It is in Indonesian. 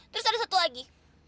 terus ada satu lagi